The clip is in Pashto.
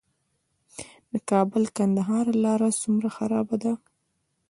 د کابل - کندهار لاره څومره خرابه ده؟